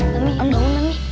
mami bangun mami